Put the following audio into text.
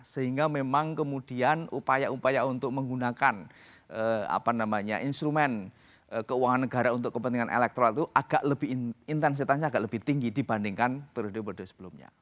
sehingga memang kemudian upaya upaya untuk menggunakan instrumen keuangan negara untuk kepentingan elektoral itu agak lebih intensitasnya agak lebih tinggi dibandingkan periode periode sebelumnya